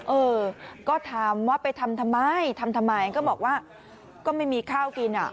เออก็ถามว่าไปทำทำไมทำทำไมก็บอกว่าก็ไม่มีข้าวกินอ่ะ